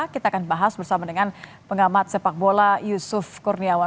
kita akan bahas bersama dengan pengamat sepak bola yusuf kurniawan